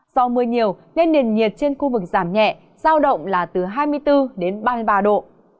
do mưa nhiều nên nền nhiệt trên khu vực giảm nhẹ giao động là từ hai mươi bốn đến ba mươi ba độ